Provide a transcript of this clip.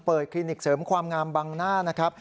เปิดคลินิกเสริมความงามบังหน้า